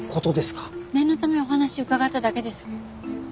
念のためお話を伺っただけです。